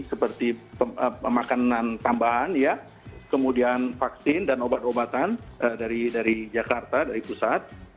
seperti makanan tambahan ya kemudian vaksin dan obat obatan dari jakarta dari pusat